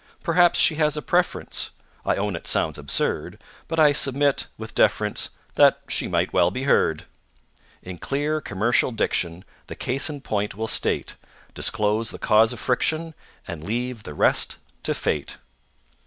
"Perhaps she has a preference I own it sounds absurd But I submit, with deference, That she might well be heard. In clear, commercial diction The case in point we'll state, Disclose the cause of friction, And leave the rest to Fate."